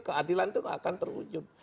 keadilan itu akan terwujud